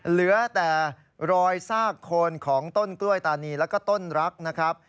เหลือแต่รอยซากโคนของต้นกล้วยตานีแล้วก็ต้นรักนะครับ